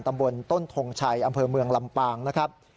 ตำบลต้นทงชัยอำเภอเมืองลำปางนะครับ